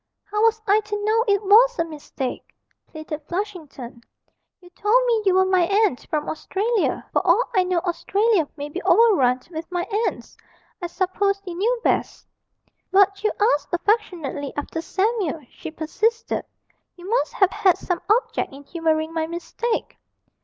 'How was I to know it was a mistake?' pleaded Flushington. 'You told me you were my aunt from Australia; for all I know Australia may be overrun with my aunts. I supposed you knew best.' 'But you asked affectionately after Samuel,' she persisted; 'you must have had some object in humouring my mistake.'